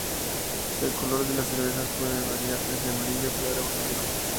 El color de las cervezas pueden variar desde amarillo clara a negro.